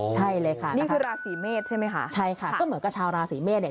ใช่เลยค่ะนะคะใช่ค่ะก็เหมือนกับชาวราศรีเมฆ